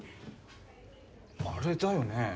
あれだよね。